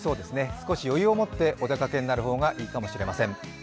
少し余裕を持ってお出かけになる方がいいかもしれません。